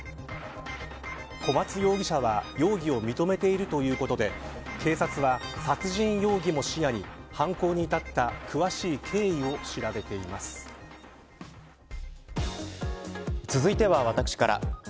小松容疑者は、容疑を認めているということで警察は殺人容疑も視野に犯行に至った詳続いては、私から。